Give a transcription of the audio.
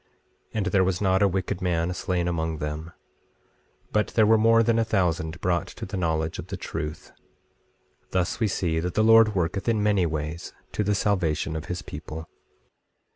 24:27 And there was not a wicked man slain among them; but there were more than a thousand brought to the knowledge of the truth; thus we see that the Lord worketh in many ways to the salvation of his people.